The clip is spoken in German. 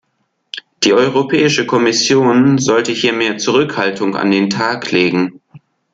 Die Europäische Kommission sollte hier mehr Zurückhaltung an den Tag legen.